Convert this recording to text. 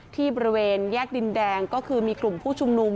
ที่บริเวณแยกดินแดงก็คือมีกลุ่มผู้ชุมนุม